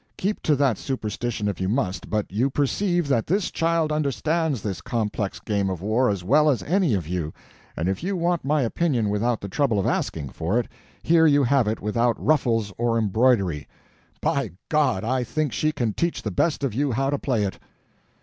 Keep to that superstition if you must, but you perceive that this child understands this complex game of war as well as any of you; and if you want my opinion without the trouble of asking for it, here you have it without ruffles or embroidery—by God, I think she can teach the best of you how to play it!"